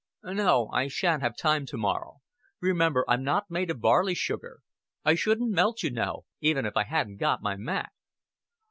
"No, I shan't have time to morrow. Remember I'm not made of barley sugar. I shouldn't melt, you know, even if I hadn't got my mack."